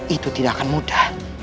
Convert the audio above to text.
itu tidak akan mudah